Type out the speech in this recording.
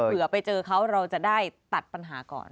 เผื่อไปเจอเขาเราจะได้ตัดปัญหาก่อน